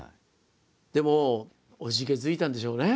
でもおじけづいたんでしょうね